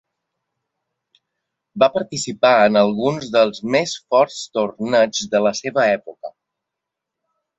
Va participar en alguns dels més forts torneigs de la seva època.